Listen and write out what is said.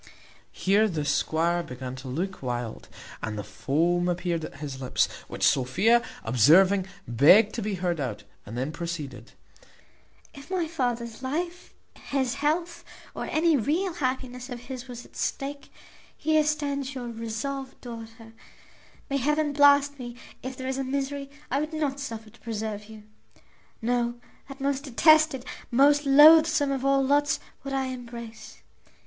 Here the squire began to look wild, and the foam appeared at his lips, which Sophia, observing, begged to be heard out, and then proceeded: "If my father's life, his health, or any real happiness of his was at stake, here stands your resolved daughter; may heaven blast me if there is a misery I would not suffer to preserve you! No, that most detested, most loathsome of all lots would I embrace.